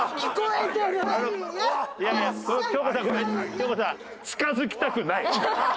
京子さん近づきたくない！